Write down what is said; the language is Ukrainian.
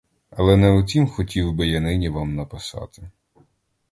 Але не о тім хотів би я нині вам написати.